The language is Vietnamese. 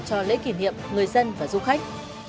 cho lễ kỷ niệm người dân và du khách